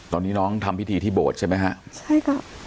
ตอนนี้น้องทำพิธีที่โบสถ์ใช่ไหมฮะใช่ค่ะ